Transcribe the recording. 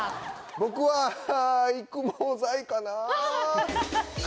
僕は育毛剤かな。